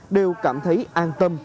đều cảm thấy an tâm